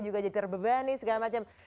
juga jadi terbebani segala macam